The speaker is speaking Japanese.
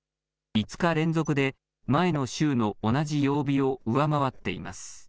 ５日連続で前の週の同じ曜日を上回っています。